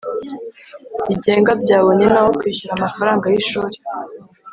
yigenga byabonye naho kwishyura amafaranga y ishuri